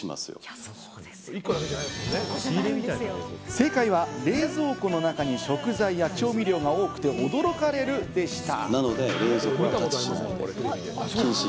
正解は冷蔵庫の中に食材や調味料が多くて驚かれるでした。